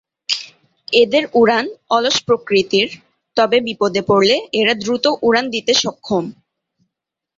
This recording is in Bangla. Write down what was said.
এদের উড়ান অলস প্রকৃতির, তবে বিপদে পড়লে এরা দ্রুত উড়ান দিতে সক্ষম।